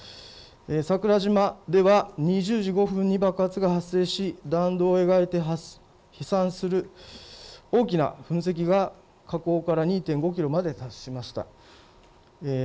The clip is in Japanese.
桜島では２０時５分に爆発が発生し弾道を描いて飛散する大きな噴石が火口から２．５キロまで達しました。